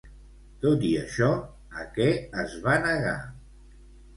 Tot i això, a què es va negar?